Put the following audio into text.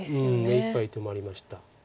目いっぱい止まりました。